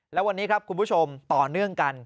และวันนี้ครับคุณผู้ชมต่อเนื่องกัน